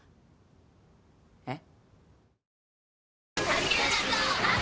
えっ？